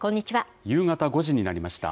夕方５時になりました。